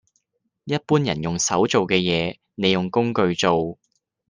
一般人用手做嘅嘢，你用工具做